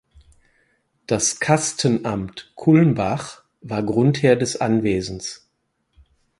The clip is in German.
Das Kastenamt Kulmbach war Grundherr des Anwesens.